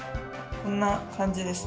こんな感じです。